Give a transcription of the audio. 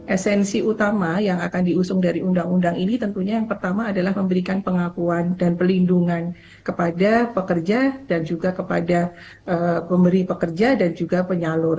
esensi utama yang akan diusung dari undang undang ini tentunya yang pertama adalah memberikan pengakuan dan pelindungan kepada pekerja dan juga kepada pemberi pekerja dan juga penyalur